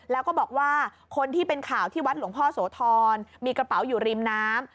แล้วก็บอกว่าคนที่เป็นข่าวที่วัดหลวงพ่อโสธรมีกระเป๋าอยู่ริมน้ำ